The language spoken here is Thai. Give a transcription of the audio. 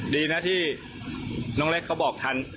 ดีนะที่น้องเล็กเขาบอกทัน